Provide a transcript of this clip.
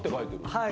はい。